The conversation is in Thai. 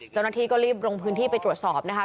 เจ้าหน้าที่ก็รีบลงพื้นที่ไปตรวจสอบนะคะ